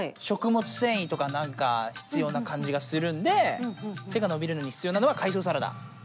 食物繊維とかなんか必要なかんじがするんで背が伸びるのに必要なのは海藻サラダ！